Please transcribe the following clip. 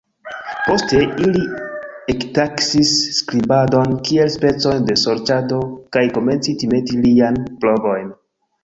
Poste, ili ektaksis skribadon kiel specon de sorĉado kaj komenci timeti liajn provojn.